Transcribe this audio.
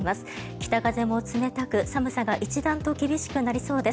北風も冷たく、寒さが一段と厳しくなりそうです。